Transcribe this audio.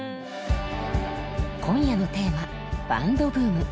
今夜のテーマ「バンドブーム」。